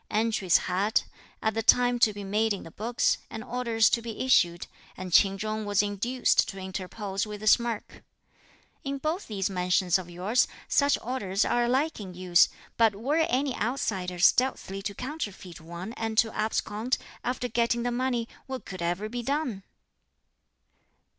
Entries had, at the time to be made in the books, and orders to be issued, and Ch'in Chung was induced to interpose with a smirk, "In both these mansions of yours, such orders are alike in use; but were any outsider stealthily to counterfeit one and to abscond, after getting the money, what could ever be done?"